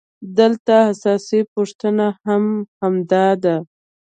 دلته اساسي پوښتنه هم همدا ده